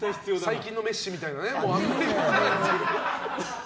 最近のメッシみたいなね。